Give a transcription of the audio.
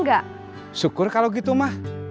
ya udah kita pulang dulu aja